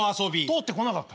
通ってこなかった？